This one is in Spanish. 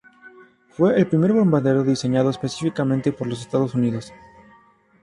Fue el primer bombardero diseñado específicamente por los Estados Unidos.